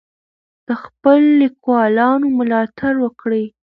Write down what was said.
د خپلو لیکوالانو ملاتړ وکړئ.